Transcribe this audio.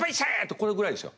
これぐらいですよ。